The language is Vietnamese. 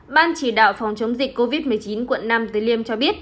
ban chỉ đạo phòng chống dịch covid một mươi chín quận năm tới liêm cho biết